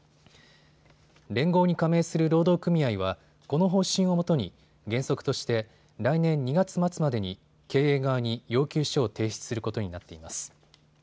連合に加盟する労働組合はこの方針をもとに原則として来年２月末までに経営側に要求書を提出することになっています。